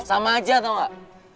sama aja tau gak